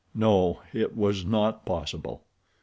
No, it was not possible.